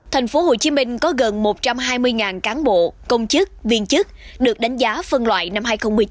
thành phố hồ chí minh có gần một trăm hai mươi cán bộ công chức viên chức được đánh giá phân loại năm hai nghìn một mươi chín